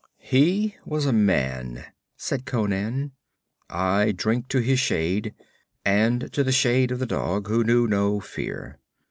'He was a man,' said Conan. 'I drink to his shade, and to the shade of the dog, who knew no fear.'